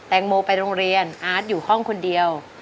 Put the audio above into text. งโมไปโรงเรียนอาร์ตอยู่ห้องคนเดียว